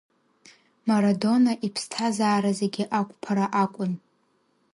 Марадона иԥсҭазаара зегьы ақәԥара акәын.